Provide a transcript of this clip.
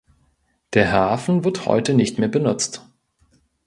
Der Hafen wird heute nicht mehr benutzt.